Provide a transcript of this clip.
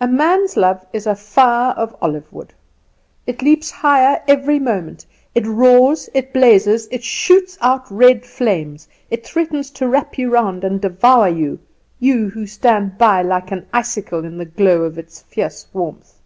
"A man's love is a fire of olive wood. It leaps higher every moment; it roars, it blazes, it shoots out red flames; it threatens to wrap you round and devour you you who stand by like an icicle in the glow of its fierce warmth.